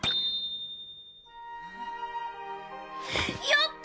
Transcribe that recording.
やった！